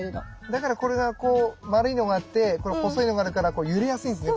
だからこれがこう丸いのがあってこの細いのがあるから揺れやすいんですね